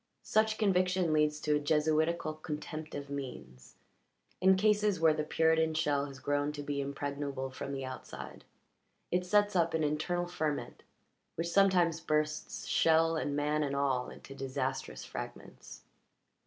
Such conviction leads to a Jesuitical contempt of means; in cases where the Puritan shell has grown to be impregnable from the outside it sets up an internal ferment which sometimes bursts shell and man and all into disastrous fragments.